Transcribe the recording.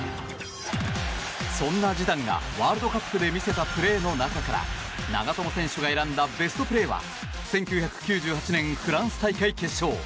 そんなジダンがワールドカップで見せたプレーの中から長友が選んだベストプレーは１９９８年フランス大会決勝。